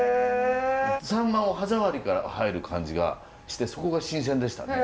秋刀魚を歯触りから入る感じがしてそこが新鮮でしたね。